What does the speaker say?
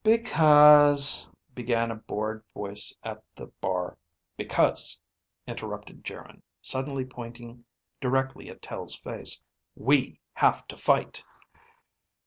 "Because ..." began a bored voice at the bar. "Because," interrupted Geryn, suddenly pointing directly at Tel's face, "we have to fight.